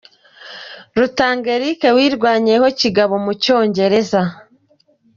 Rutanga Eric wirwanyeho kigabo mu Cyongereza.